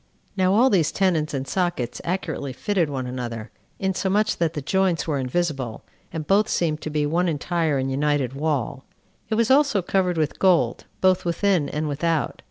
Now all these tenons and sockets accurately fitted one another, insomuch that the joints were invisible, and both seemed to be one entire and united wall. It was also covered with gold, both within and without.